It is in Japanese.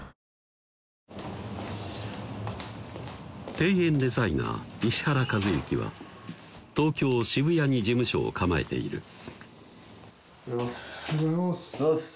庭園デザイナー・石原和幸は東京・渋谷に事務所を構えているおはようございますおはようございます